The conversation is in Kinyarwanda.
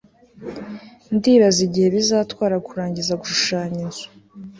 ndibaza igihe bizatwara kurangiza gushushanya inzu